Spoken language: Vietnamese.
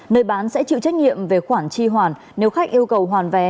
nơi bán sẽ chịu trách nhiệm về khoản chi hoàn nếu khách yêu cầu hoàn vé